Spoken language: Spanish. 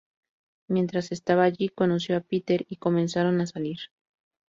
Mientras estaba allí, conoció a Peter y comenzaron a salir.